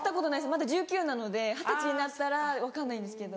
まだ１９歳なので二十歳になったら分かんないんですけど。